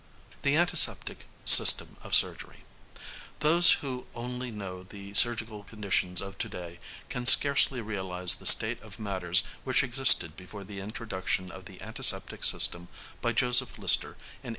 The Antiseptic System of Surgery. Those who only know the surgical conditions of to day can scarcely realise the state of matters which existed before the introduction of the antiseptic system by Joseph Lister in 1867.